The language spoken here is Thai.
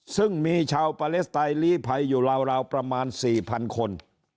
ซึ่งมีชาวปาเลสไตลลีภัยอยู่ราวประมาณ๔๐๐๐คน